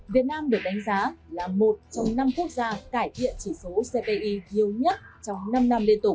việt nam được đánh giá là một trong năm quốc gia cải thiện chỉ số cpi nhiều nhất trong năm năm liên tục